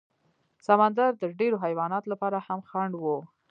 سمندر د ډېرو حیواناتو لپاره هم خنډ و.